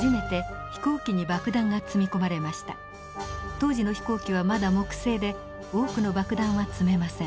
当時の飛行機はまだ木製で多くの爆弾は積めません。